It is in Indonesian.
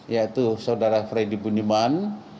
yaitu saudara fredy budiman